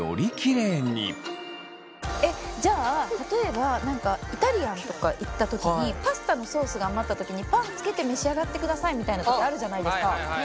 じゃあ例えば何かイタリアンとか行った時にパスタのソースが余った時にパンつけて召し上がってくださいみたいな時あるじゃないですか。